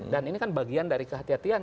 dan ini kan bagian dari kehatian